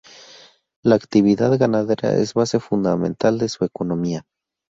La actividad ganadera es base fundamental de su economía.